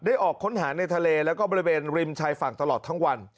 ออกค้นหาในทะเลแล้วก็บริเวณริมชายฝั่งตลอดทั้งวัน